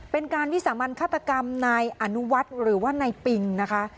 เป็นการวิสามันฆาตกรรมนายอนุวัฒน์หรือว่านายปิงนะคะ